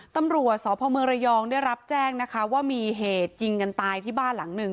ตำรวจสพเมืองระยองได้รับแจ้งนะคะว่ามีเหตุยิงกันตายที่บ้านหลังหนึ่ง